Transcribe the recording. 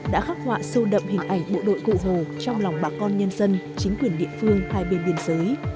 đã khắc họa sâu đậm hình ảnh bộ đội cụ hồ trong lòng bà con nhân dân chính quyền địa phương hai bên biên giới